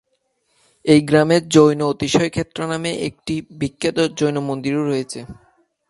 এই গ্রামে জৈন অতিশয় ক্ষেত্র নামে একটি বিখ্যাত জৈন মন্দিরও রয়েছে।